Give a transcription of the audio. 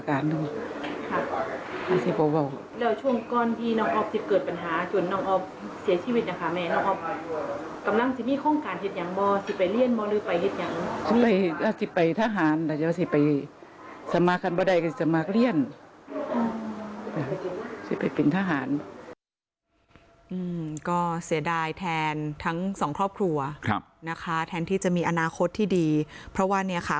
ก็เสียดายแทนทั้งสองครอบครัวนะคะแทนที่จะมีอนาคตที่ดีเพราะว่าเนี่ยค่ะ